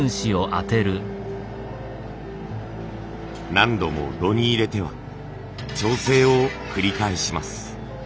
何度も炉に入れては調整を繰り返します。